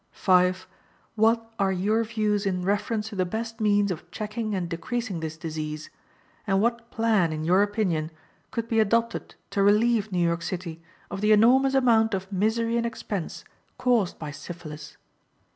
"5. What are your views in reference to the best means of checking and decreasing this disease, and what plan, in your opinion, could be adopted to relieve New York City of the enormous amount of misery and expense caused by syphilis?